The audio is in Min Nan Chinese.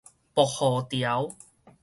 薄荷條